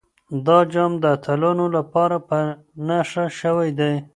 دا جام د اتلانو لپاره په نښه شوی دی.